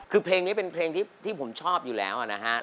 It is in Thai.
คือเพลงนี้เป็นเพลงที่ผมชอบอยู่แล้วนะฮะ